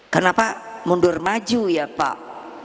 kenapa mundur maju ya pak